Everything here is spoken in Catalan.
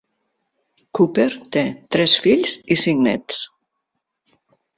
Cooper té tres fills i cinc nets.